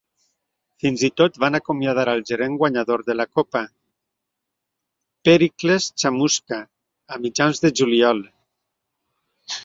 Fins i tot van acomiadar al gerent guanyador de la copa, Péricles Chamusca, a mitjans de juliol.